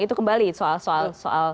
itu kembali soal soal